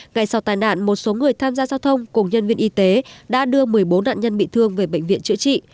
ngày sau tai nạn một số người tham gia giao thông cùng nhân viên y tế đã đưa một mươi bốn nạn nhân bị thương về bệnh viện chữa trị